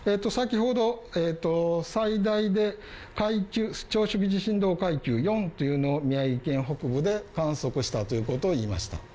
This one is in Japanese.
先ほど、最大階級４というのを宮城県北部で観測したということを言いました。